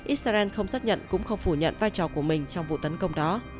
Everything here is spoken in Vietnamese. israel không xác nhận cũng không phủ nhận vai trò của mình trong vụ tấn công đó